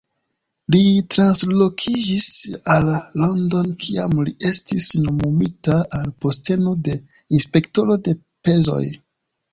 Li translokiĝis al Londono kiam li estis nomumita al posteno de Inspektoro de pezoj.